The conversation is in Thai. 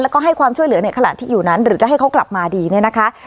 แล้วก็ให้ความช่วยเหลือในขณะที่อยู่นั้นหรือจะให้เขากลับมาดีเนี่ยนะคะ